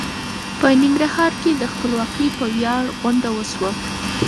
په ننګرهار کې د خپلواکۍ په وياړ غونډه وشوه.